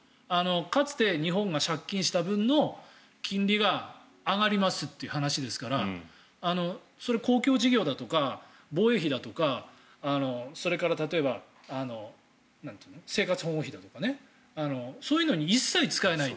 かつて日本が借金した分の金利が上がりますという話ですからそれは公共事業だとか防衛費だとか、それから例えば生活保護費だとかねそういうのに一切使えない。